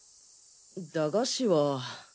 駄菓子は。